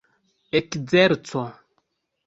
ekzerco